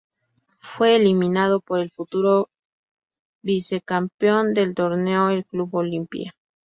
Fue eliminado por el futuro vicecampeón del torneo, el Club Olimpia.